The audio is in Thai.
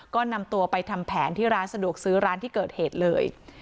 ก็นำตัวไปทำแผนที่ร้านสะดวกซื้อร้านที่เกิดเหตุเลย